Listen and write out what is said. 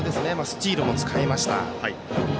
スチールも使いました。